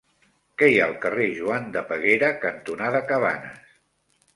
Què hi ha al carrer Joan de Peguera cantonada Cabanes?